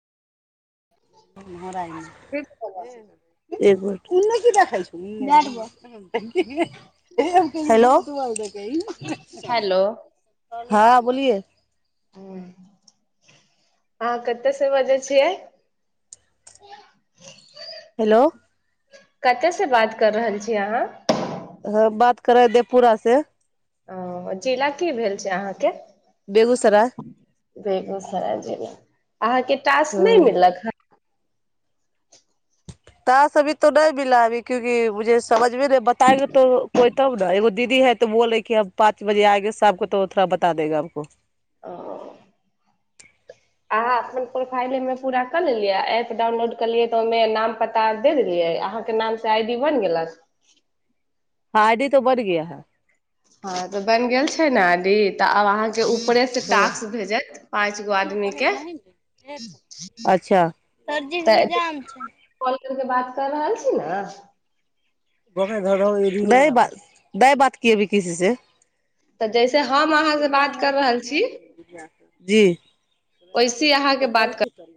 कोन फिर से बदमाशी कर रही। नहि की देखै छै हेलो हेलो हँ बोलिए अह कतऽ से बजै छियै हेलो कतयसँ बात कर रहल छी अहाँ ह बात करे ह देहपुरा से ओ जिला की भेल छै अहाँके बेगूसराय बेगूसराय जमे अहाँके टास्क नहि ह मिललक ह [unintelligible] अहाँ अपन प्रोफाइल एहिमे पूरा कऽ लेलियै आ एप डाउनलोड करलियै तऽ ओहिमे नाम पता दे देलियै अहाँके नामसँ आई डी बनि गेल [unintelligible] हँ तऽ बनि गेल छै ने आदी तऽ आब अहाँ परे से ास्क भेजत पाँच गो आदमी के अच्छा क कर बात कर रहल छी ने [unintelligible] तऽ जैसे हम अहाँसँ बात कर रहल छी जीबब वैसे अहाँके बात कर कर